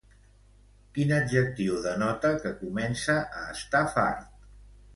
Quin adjectiu denota que comença a estar fart?